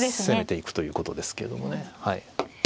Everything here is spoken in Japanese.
攻めていくということですけどもね。